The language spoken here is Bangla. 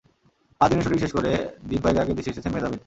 পাঁচ দিনের শুটিং শেষ করে দিন কয়েক আগে দেশে এসেছেন মেহ্জাবীন।